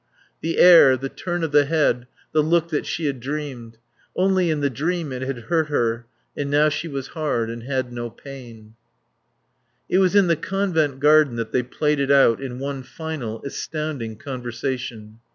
The air, the turn of the head, the look that she had dreamed. Only in the dream it had hurt her, and now she was hard and had no pain. It was in the Convent garden that they played it out, in one final, astounding conversation.